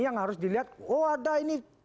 yang harus dilihat oh ada ini